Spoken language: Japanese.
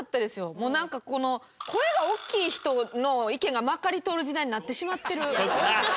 もうなんかこの声が大きい人の意見がまかり通る時代になってしまってる。